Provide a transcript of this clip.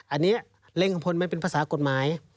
อันนี้เร่งผลมันเป็นภาษากฎหมาย